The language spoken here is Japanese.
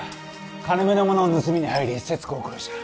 金めのものを盗みに入り勢津子を殺した